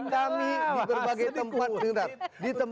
kami di berbagai tempat